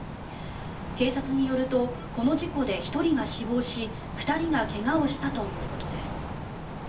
警察によるとこの事故で１人が死亡し２人が怪我をしたということです。